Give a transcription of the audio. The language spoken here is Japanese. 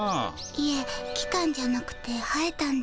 いえ来たんじゃなくて生えたんです。